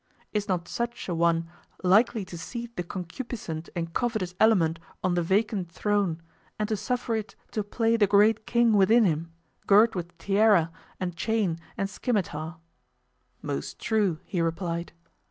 Is not such an one likely to seat the concupiscent and covetous element on the vacant throne and to suffer it to play the great king within him, girt with tiara and chain and scimitar? Most true, he replied.